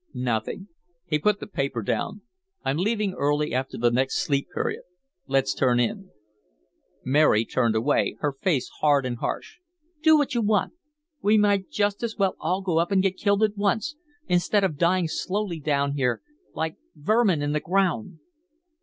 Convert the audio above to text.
"Nothing." He put the paper down. "I'm leaving early after the next Sleep Period. Let's turn in." Mary turned away, her face hard and harsh. "Do what you want. We might just as well all go up and get killed at once, instead of dying slowly down here, like vermin in the ground."